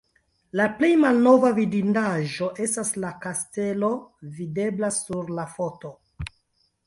La plej malnova vidindaĵo estas la kastelo videbla sur la foto.